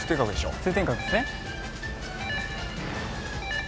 通天閣ですね。